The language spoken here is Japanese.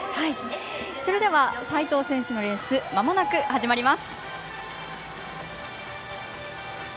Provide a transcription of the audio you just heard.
それでは齋藤選手のレースまもなく始まります。